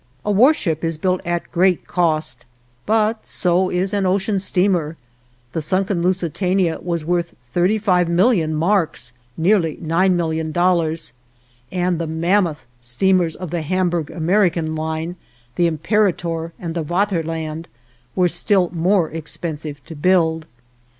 A warship is built at great cost, but so is an ocean steamer. The sunken "Lusitania" was worth 35,000,000 marks (nearly $9,000,000) and the mammoth steamers of the Hamburg American Line, the "Imperator," the "Vaterland," were still more expensive to build.